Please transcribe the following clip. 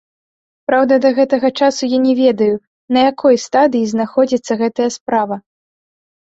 Праўда, да гэтага часу я не ведаю, на якой стадыі знаходзіцца гэтая справа.